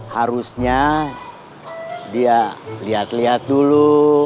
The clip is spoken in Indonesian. harusnya dia lihat lihat dulu